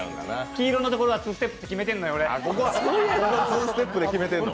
黄色のところは２ステップって決めてんのよ、俺は。